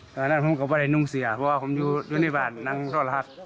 ตอนนั้นผมกลับไปลอนด้านหนุ่งเสือเพราะว่าผมอยู่ในบ้านนั่งข้อรัฐ